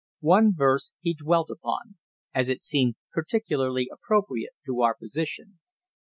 One verse he dwelt upon, as it seemed particularly appropriate to our position.